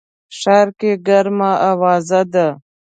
ښار کي ګرمه اوازه ده